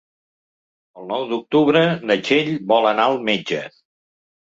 El nou d'octubre na Txell vol anar al metge.